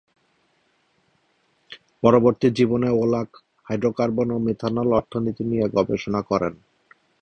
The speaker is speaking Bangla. পরবর্তী জীবনে ওলা হাইড্রোকার্বন ও মিথানল অর্থনীতি নিয়ে গবেষণা করেন।